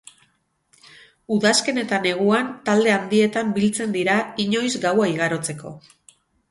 Udazken eta neguan talde handietan biltzen dira inoiz gaua igarotzeko.